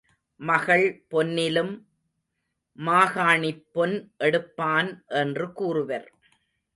மகள் பொன்னிலும் மாகாணிப் பொன் எடுப்பான் என்று கூறுவர்.